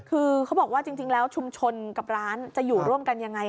คือเขาบอกว่าจริงแล้วชุมชนกับร้านจะอยู่ร่วมกันยังไง